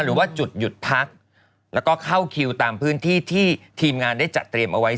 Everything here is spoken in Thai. หรือว่าจุดหยุดพักแล้วก็เข้าคิวตามพื้นที่ที่ทีมงานได้จัดเตรียมเอาไว้